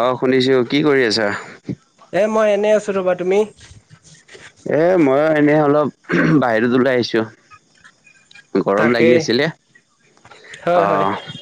অ', শুনিছো কি কৰি আছা? এ মই এনে আছো ৰবা তুমি? এ মই এনেই অলপ বাহিৰত ওলাই আহিছোঁ। গৰম তাকে লাগি আছিলে হয় হয় আহ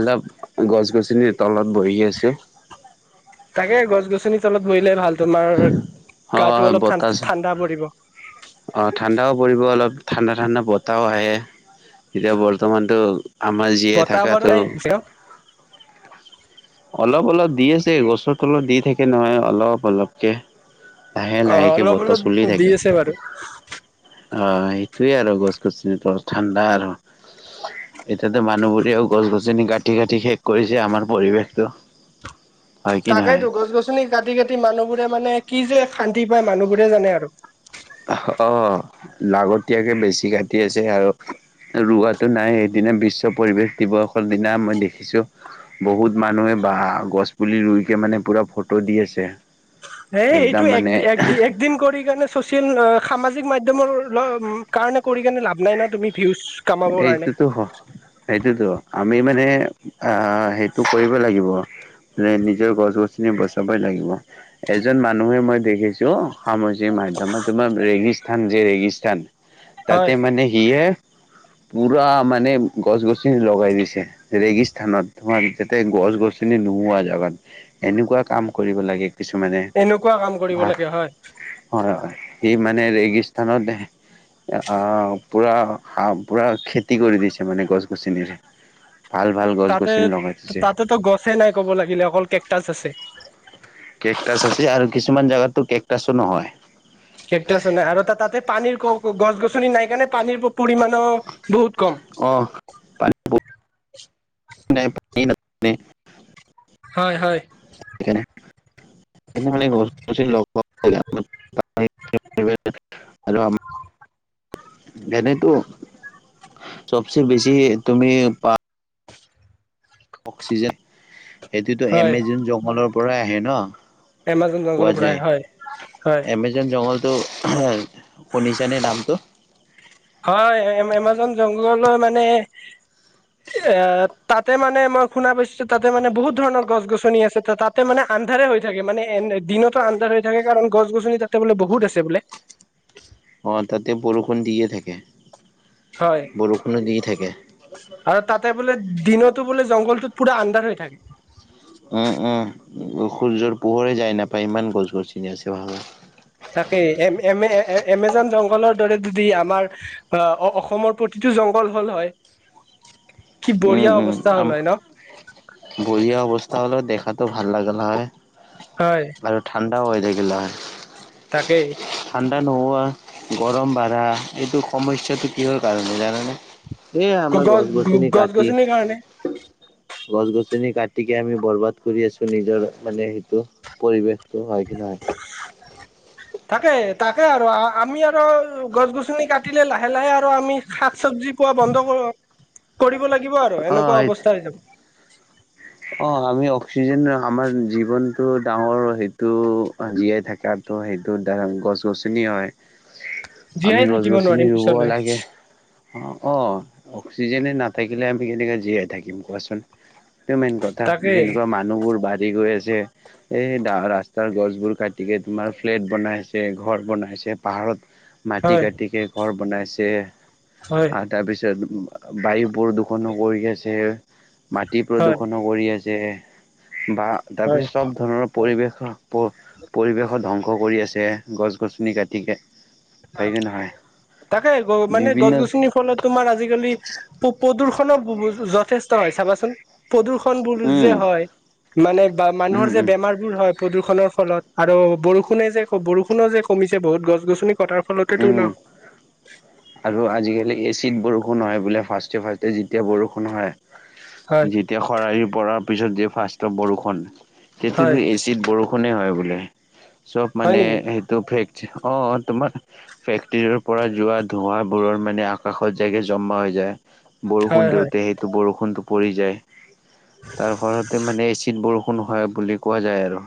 অলপ গছ গছনিৰ তলত বহি আছে। তাকে গছ গছনি তলত বহিলে ভাল তোমাৰ অ গাটো অলপ বতাহ ঠা-ঠাণ্ডা পৰিব। অ', ঠাণ্ডাও পৰিব অলপ ঠাণ্ডা ঠাণ্ডা বতাহও আহে। এতিয়া বৰ্তমানতো আমাৰ জীয়াই বতাহ বাৰু থকাটো নাই [inaudible] অলপ অলপ দি আছে গছৰ তলত দি থাকে নহয় অলপ অলপকে। লাহে অ লাহেকে অলপ বতাহ অলপ চলি দি থাকে। আছে বাৰু অ', সেইটোয়ে আৰু গছ গছনি ঠাণ্ডা আৰু। এতিয়াতো মানুহবোৰেও গছ গছনি কাটি কাটি শেষ কৰিছে আমাৰ পৰিৱেশটো। হয় কি নহয় তাকেইতো গছ গছনি কাটি কাটি মানুহবোৰে মানে কি যে শান্তি পাই মানুহবোৰে জানে আৰু। অ', লাগতীয়াতকে বেছি কাটি আছে আৰু ৰোৱাটো নাই সেইদিনা বিশ্ব পৰিৱেশ দিৱসৰ দিনা মই দেখিছোঁ। বহুত মানুহে বা গছ পুলি ৰুইকে মানে পুৰা ফটো দি আছে। হে একদম এইটো এক মানে এক একদিন কৰি কেনে। চ'চিয়েল সামাজিক মাধ্যমৰ কাৰণে কৰি কিনে লাভ নাই ন তুমি। ভিউজ কামাবৰ কাৰণে এইটোতো সেইটোতো। আমি মানে অ সেইটো কৰিব লাগিব যে নিজৰ গছ গছনি বচাব এজন মানুহে মই দেখিছো সামাজিক মাধ্যমত তোমাৰ ৰেগিস্থান যে ৰেগিস্থান। তাতে হয় মানে কি হয় পুৰা মানে গছ গছনি লগাই দিছে ৰেগিস্থানত। তোমাৰ যাতে গছ গছনি নুমোৱা জগত এনেকুৱা কাম কৰিব লাগে। কিছুমানে এনেকুৱা কাম কৰিব হয় লাগে হয়। সি মানে ৰেগিস্থনত আহ পুৰা হা পুৰা খেতি কৰি দিছে মানে গছ গছৰ। তাতে তাতেতো গছে নাই ক'ব লাগিলে অকল কেকটাচ আছে। কেকটচ আছে আৰু কিছুমান জোগাতো কেকটাচো নহয়। কেকটাচো নাই আৰু তাতে পানীৰ গছ গছনি নাই কাৰণে পানীৰ পৰিমাণো বহুত কম। অ [unintelligible] হয় হয়। [unintelligible] মানে গছ গছ লগত [unintelligible] আৰু আম এনেতো চবচে বেছি তুমি পা অক্সিজেন সেইটোতো হয় এমেজন জংগলৰ পৰাই আহে ন'। এমাজন কোৱা জংগলৰপৰা আহে হয় হয়। তো শুনিছানে নামটো? হয় এ, এমাজন জংঘললৈ মানে এ, তাতে মানে মই শুনা পাইছোঁ তাতে মানে বহুত ধৰণৰ গছ গছনি আছে, তাতে মানে আন্ধাৰে হৈ থাকে মানে এ, দিনতো আন্ধাৰ হৈ থাকে কাৰণ গছ গছনি তাতে বোলে বহুত আছে বোলে। অ' তাতে বৰষুণ দিয়ে থাকে। হয় বৰষুণো দি থাকে। আৰু ততে বোলে দিনতো বোলে জংঘলটোত পুৰা অন্দাৰ হৈ থাকে। উম, উম, সূৰ্যৰ পোহৰে যায় নাপায় ইমান গছ গছ চিনি আছে। ভাল তাকে এম এমে এমেজন জংঘলৰ দৰে যদি আমাৰ অসমৰ প্ৰতিটো জংঘল হ'ল হয়। [unintelligible] কি উম, বঢ়িয়া অৱস্থা হ'ল হয় ন বঢ়িয়া অৱস্থা হ'লে দেখাটো ভাল লাগালা হয়। হয়। চব হৈ থাকিল হয়। তাকেই। ঠাণ্ডা নোহোৱা, গৰম বাঢ়া, এইটো সমস্যাটো কিহৰ কাৰণে জানানে? এয়া আমাৰ গছ গছনি গছ কাটি গছনিৰ কাৰণে গছ গছনি কাটিকে আমি বৰবাদ কৰি আছোঁ, নিজৰ মানে সেইটো পৰিৱেশ। চ হয় কি নহয়? তাকে তাকে আৰু আমি আৰু গছ গছনি কাটিলে লাহে লাহে আৰু আমি শাক চবজি পোৱা বন্ধ কৰ কৰিবলৈ লাগিব আৰু অ এনেকুৱা অৱস্থা হৈ যাব। [unintelligible] অ' আমি অক্সিজেন আমাৰ জীৱনটো ডাঙৰ সেইটো জীয়াই থাকাতো হয়। এইটোৰ দ্বাৰা গছ গছনি হয়। আমি জীয়াই গছ থাকিব গছনি নোৱাৰিম ৰুব পিছলৈ লাগে অ'। অ' অক্সিজেনে নাথাকিলে আমি কেনেকৈ জীয়াই থাকিম কোৱাচোন? এইটো মেইন কথা তাকে যেনেকুৱা মানুহবোৰ বাঢ়ি গৈ আছে। যে এই দা ৰাস্তাৰ গছবোৰ কাটিকে তোমাৰ ফ্লেট বনাই আছে, ঘৰ বনাই আছে, পাহাৰত মাটি হয় কাটিকে ঘৰ বনাইছে হয় আৰু তাৰপিছত বায়ু প্ৰদূষণো কৰি আছে। তি হয় প্ৰদূষণো কৰি আছে। বা হয় তাৰপিছত চব ধৰণৰ পৰিবেশ প-পৰিৱেশৰ ধ্বংস কৰি আছে। যে গছ গছনি কটিকে তাকে মানে গছ বিভিন্ন গছনিৰ ফলত তোমাৰ আজিকালি পো প্ৰদূষণো যথেষ্ট হয় চাবাচোন প্ৰদূষণ বোৰ উম যে হয় মানে বা মানুহৰ উম যে উম বেমাৰবোৰ হয় প্ৰদূষণৰ ফলত আৰু বৰষুণে যে বৰষুণো যে কমিছে, বহুত গছ গছনি কটাৰ ফলতেতো উম। ন আৰু আজিকালি এচ বৰষুণ হয় বোলে ফাষ্টে ফাৰ্ষ্ট যেতিয়া বৰষুণ হয়, হয় যেতিয়া খৰালিৰ পৰা পিছত দিয় ফাৰ্ষ্টত বৰষুণ তেটো হয় এচিড বৰষুণে হয় বোলে। চব হয় মানে নেকি সেইটো ফেক, অ' তোমাৰ ফেক্টৰীৰ পৰা যোৱা ধোঁৱাবোৰৰ মানে আকাশত যায় যে জমা হৈ যায়। বৰষুণ হয় হয় দিওঁতে সেইটো বৰষুণটো পৰি যায়। তাৰ ফলতে মানে এচিড বৰষুণ হয় বুলি কোৱা যায় আৰু।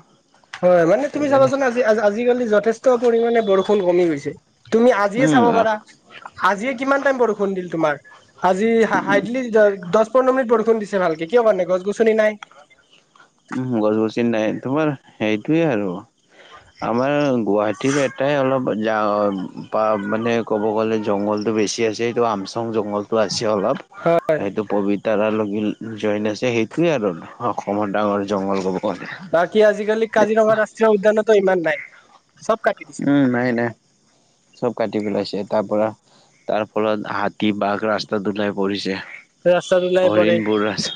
হয় মানে তুমি সেইকাৰণে চাবাচোন আজি আজিকালি যথেষ্ট পৰিমাণে বৰষুণ কমি গৈছে। তুমি আজিয়ে উম চাব পাৰা আজিয়ে কিমান টাইম বৰষুণ দিলে তোমাৰ! আজি হাইডলি দহ পোন্ধৰ মিনিট বৰষুণ দিছে ভালকে। কিহৰ কাৰণে গছ গছনি নাই। উম, গছ গছি নাই তোমাৰ সেইটোয়ে আৰু। আমাৰ গুৱাহাটীৰ এটাই অলপ বা মানে ক'ব গ'লে জংঘলতটো বেছি আছে স সেইটো আমচং জংঘলতটো আছে। অলপ হয় সেইটো পবিতাৰ লগত জইন আছে সেইটোৱে আৰু অসমত ডাঙৰ জংঘ বাকী আজিকালি কাজিৰঙা ৰাষ্ট্ৰীয় উদ্যানতো ইমান নাই। চব কাটি দিছে উম, নাই নাই চব কাটি পেলাইছে তাৰ পৰা। তাৰ ফলত হাতী বাঘ ৰাস্তা ওলাই পৰিছে। ৰাস্তা ওলাই পৰে হৰিণবোৰ ৰাস্তা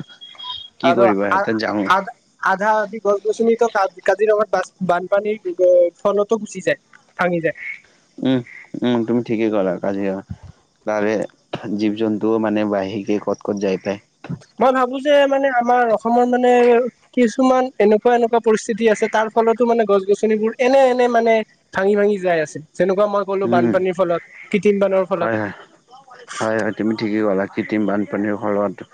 কি আৰু কৰিবা তাত যাওঁ আ-আা-আধা আধি গছ গছনিটো কা কাজিৰঙাত বা বানপানীৰ ফলতো গুচি যায় ভাঙি যায়। উম উম তুমি ঠিকেই ক'লা কাজিৰঙা তাৰে জীৱ জন্তুও মানে [unintelligible] ক'ত ক'ত যায় পায়। মই ভাবো যে মানে আমাৰ অসমৰ মানে কিছুমান এনেকুৱা এনেকুৱা পৰিস্থিতি আছে তাৰ ফলতো মানে গছ গছনিবোৰ এনে এনে মানে ভাঙি ভাঙি যাই আছে। যেনেকুৱা মই ক'লো উম বানপানীৰ ফলত কৃত্ৰিম বানৰ হয় হয় হয় ফলত। হয় তুমি ঠিকেই ক'লা কৃত্ৰিম বানপানীৰ ফলত।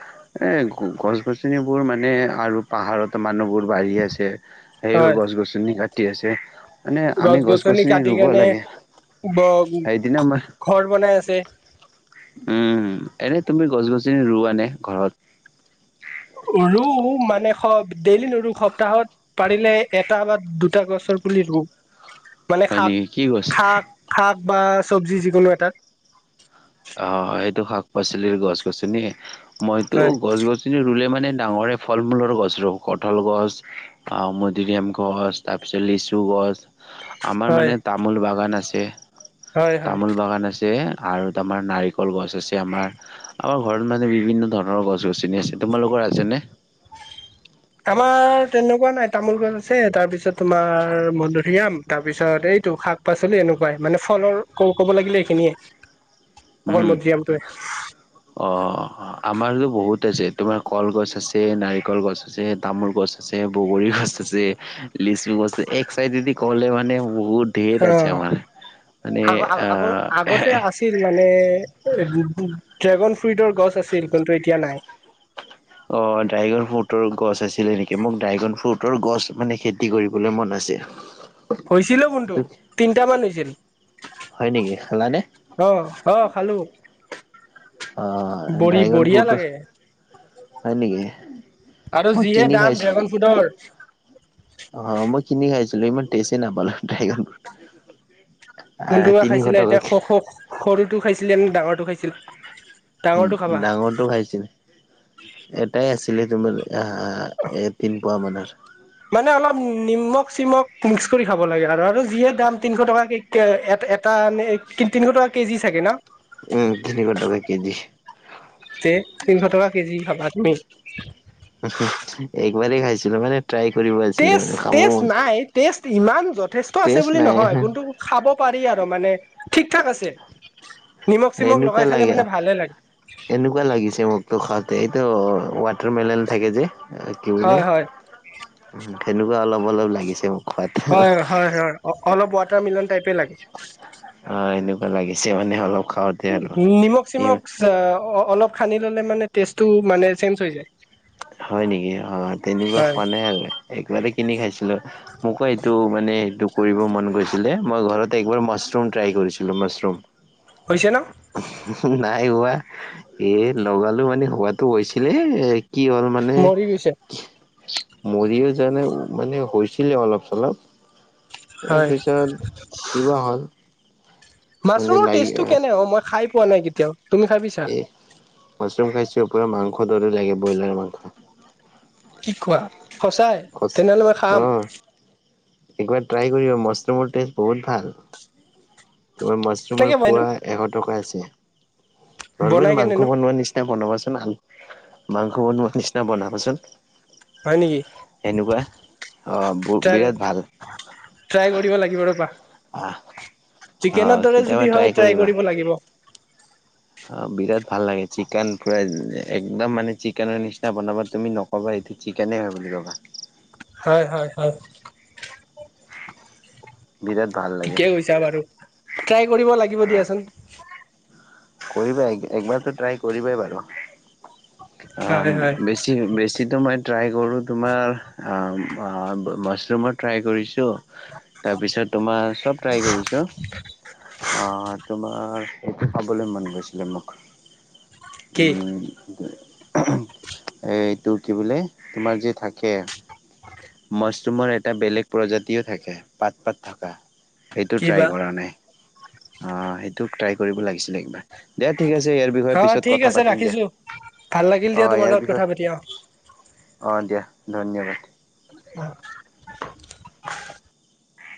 এই গছ গছনিবোৰ মানে আৰু পাহাৰত মানুহবোৰ বাঢ়ি আছে। সেইও হয় গছ গছনি কাটি আছে। মানে আমি গছ গছনি ৰুব লাগে। সেইদিনা মই ব-ঘৰ বনাই আছে। উম, এনে তুমি গছ গছনি ৰুৱানে ঘৰত? ৰু মানে সপ ডেইলি নোৰু সপ্তাহত পাৰিলে এটা বা দুটা গছৰ পুলি ৰুওঁ। মানে হয় নেকি কি গছ? শাক-শাক শাক বা চবজি যিকোনো এটা। অ', সেইটো শাক পাচলিৰ গছ গছনি হে। মইতো হয় গছ গছনি ৰুলে মানে মানে ডাঙৰে ফল মূলৰ গছ ৰু। কঠাল গছ আহ মধুৰিআম গছ তাৰ পিছত লিচু গছ আমাৰ হয় মানে তামোল বাগান আছে। হয় হয় তামোল বাগান আছে আৰু আমাৰ নাৰিকল গছ আছে আমাৰ। আমাৰ ঘৰত মানে বিভিন্ন ধৰণৰ গছ গছনি আছে। তোমালোকৰ আছেনে? আমাৰ তেনেকুৱা নাই। তামোল গছ আছে তাৰ পিছত তোমাৰ মধুৰিআম তাৰ পিছত এইটো শাক পাচলি এনেকুৱাই মানে ফলৰ ক-ক'ব লাগিলে এইখিনিয়ে। অকল উম। মধুৰিআমটোয়ে। অ', আমাৰতো বহুত আছে তোমাৰ কলগছ আছে নাৰিকল গছ আছে তামোল গছ আছে বগৰী গছ আছে লিচু গছ এক চাইডে দি ক'বলে মানে বহুত ধেৰ আছে অ', আমাৰ। মানে আগ-আগ আহ আগতে আছিল মানে। ড্ৰেগন ফ্ৰুইটৰ গছ আছিল কিন্তু এতিয়া নাই। অ', ড্ৰাইগন ফ্ৰুটৰ গছ আছিলে নেকি মোক ড্ৰাইগন ফ্ৰুট আৰু গছ মানে খেতি কৰিবলৈ মন আছে। হৈছিলো কিন্তু এইটো তিনটা মান হৈছিল। হয় নেকি, খালানে? অ অ', খালো। অ', বঢ়ি ড্ৰাগণ বঢ়িয়া ফ্ৰুট, লাগে হয়নে কি? আৰু যিহে দাম ড্ৰেগন ফ্ৰুটৰ। অ', মই কিনি খাইছিলো ইমান টেষ্টে নাপালো ড্ৰেগন ফ্ৰুট। আহ কোনটো বা তিনিশ খাইছিলে এতিয়া টকাকে স-স সৰুটো খাইছিলে নে ডাঙৰটো খাইছিলা? ডাঙৰটো খাইছিল, এটাই আছিলে তোমালে এ, এ, তিনপোৱা মানৰ মানে অলপ নিমখ চিমখ মিক্স কৰি খাব লাগে। আৰু, আৰু যিয়ে দাম তিনশ টকা কে এ, এটা তিনিশ টকা কেজি চাগে ন। উ, তিনিশ টকা কেজি। তে তিনিশ টকা কেজি ভাবা তুমি। একবাৰেই খাইছিলো মানে। ট্ৰাই কৰিব আছিলো টেষ্ট, খাব টেষ্ট নাই, টেষ্ট ইমান যথেষ্ট আছে টেষ্ট বুলি নাই নহয় কোনটো খাব পাৰি আৰু। মানে ঠিক, ঠাক আছে। নিমখ চিমখ এনেকুৱা লগাই খালে লাগে, মানে ভালে লাগে এনেকুৱা লাগিছে মোক তো খন এইটো ৱাটাৰ মেলন থাকে যে কি বুলে হয় হয় তেনেকুৱা অলপ অ, অলপ লাগিছে। খোৱাত হয়, হয়, হয়, হয়, অলপ ৱাটাৰ মিলন টাইপে লাগে। অ এনেকুৱা লাগিছে মানে অলপ। খাওঁতে আৰু নিমখ ই চিমখ অলপ সানি ললে মানে টেষ্টটো মানে চেঞ্জ হৈ যায়। হয় নেকি অ, তেনেকুৱা হয় খোৱা নাই আৰু একবাৰে কিনি খাইছিলো মোকো এইটো মানে এইটো কৰিব মন গৈছিলে মই ঘৰত একবাৰ মাছৰুম ট্ৰাই কৰিছিলো মাছৰুম হৈছে ন। নাই হোৱা এ, লগালো মানে হোৱাতো হৈছিলে। কি হ'ল মানে মৰি গৈছে কি মৰি [unintelligible] জানে মানে হৈছিলে অলপ, চলপ। তাৰ হয় পিছত কি বা হ'ল। মানে মাছৰুমৰ লাগি টেষ্টটো কেনে অ, মই খাই পোৱা নাই কেতিয়াও। তুমি খাই পাইছা এই মছৰুম খাইছওপৰিৰত মাংস দৰি লাগে, ব্ৰইলাৰ মাংস। কি কোৱা সচাই তেনেহ'লে মই খাম। অ একবাৰ ট্ৰাই কৰিব মাছৰুমৰ টেষ্ট বহুত ভাল। তোমাৰ মাছৰুমৰ কেনেকে বনাইনো পোৱা এশ টকা আছে। ধ, বনাই মাংস কেনেনো বনোৱা নিচিননা বনাব। মাংস বন নিচিনা বনা পচ হয়, নেকি। অ তাই, বিৰাট ভাল ট্ৰাই কৰিব লাগিব ৰ'বা। আহ। অ চিকেনৰ দৰে কেতিয়াবা যদি হয় ট্ৰাই কৰিবা কৰিব লাগিব। অ, বিৰাট ভাল লাগে চিকেন প্ৰ, একদম মানে চিকেনৰ নিচিনা বনাবা তুমি নকবা এইটো কি কেণেই হয় বুলি ক'বা। হয়, হয়, হয়। বিৰাট ভাল লাগে ঠিকে কৈছা বাৰু ট্ৰাই কৰিব লাগিব দিয়াচোন। কৰিব একবতো ট্ৰাই কৰিব বাৰু হয় হয় বেছি, বেছি যটো মই ট্ৰাই কৰোঁ, তোমাৰ মাছৰুমৰ ট্ৰাই কৰিছোঁ। তাৰপিছত তোমাৰ চব ট্ৰাই কৰিছো অ, তোমাৰ ক'বলৈ মন গৈছিলে মোক। কি এইটো কি বুলে তোমাৰ যে থাকে মছৰুমৰ এটা বেলেগ প্ৰজাতিও থাকে পাত, পাত থকা। সেইটো কি ট্ৰাই বা কৰা নাই। অ, সেইটো ট্ৰাই কৰিব লাগিছিলে একবাৰ দে। ঠিক আছে। ইয়াৰ বিষয়ে অ পিছত ঠিক কথা আছে পাতিম দে ৰাখিছো ভাল লাগিল অ, দিয়া তোমাৰ ইয়াৰ লগত বিষয়ে কথা পাতি অ, দিয়া ধন্যবাদ। অ'।